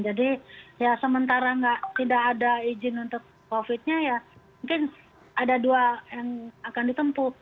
jadi ya sementara tidak ada izin untuk covidnya ya mungkin ada dua yang akan ditempuh